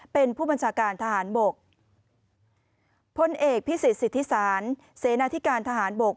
เป็นผู้บัญชาการทหารบกพลเอกพิสิทธิสารเสนาธิการทหารบก